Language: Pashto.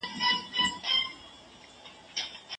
فساد په اداره او سیاست کي هم وي.